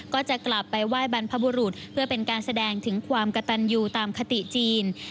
ก็จะกลับไปไหว้บรรพบุรุษเพื่อเป็นการแสดงถึงความกระตันอยู่ตามคติจีน